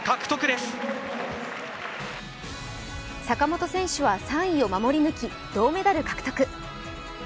坂本選手は３位を守り抜き銅メダル獲得。